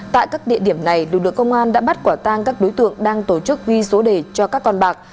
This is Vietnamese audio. tại các địa điểm này lực lượng công an đã bắt quả tang các đối tượng đang tổ chức ghi số đề cho các con bạc